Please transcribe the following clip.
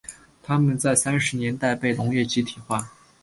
他们在三十年代被农业集体化。